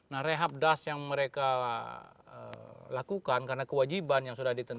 nah rehab das yang mereka lakukan karena kewajiban yang sudah ditentukan